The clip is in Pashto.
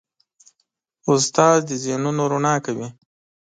استاد د ذهنونو رڼا کوي.